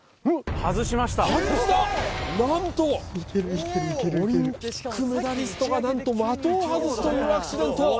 外した、なんと、オリンピックメダリストが、なんと的を外すというアクシデント。